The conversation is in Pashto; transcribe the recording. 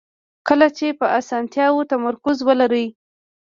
کله چې په اسانتیاوو تمرکز ولرئ.